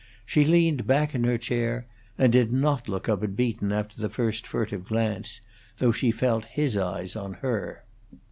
She leaned back in her chair, and did not look up at Beaton after the first furtive glance, though she felt his eyes on her.